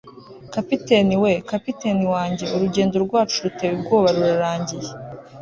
kapiteni we! kapiteni wanjye! urugendo rwacu ruteye ubwoba rurarangiye